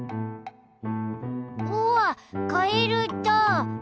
うわっカエルだ！